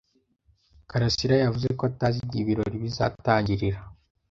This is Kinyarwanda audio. karasira yavuze ko atazi igihe ibirori bizatangirira.